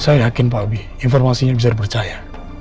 saya yakin pak albi informasinya bisa dipercaya